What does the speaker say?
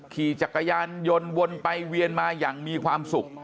ขี่จักรยานยนต์วนไปเวียนมาอย่างมีความสุข